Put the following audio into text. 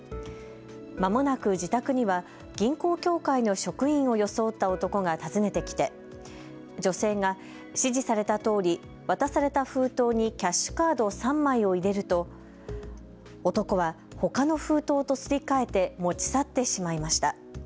まもなく自宅には銀行協会の職員を装った男が訪ねてきて女性が指示されたとおり渡された封筒にキャッシュカード３枚を入れると男はほかの封筒とすり替えて持ち去ってしまいました。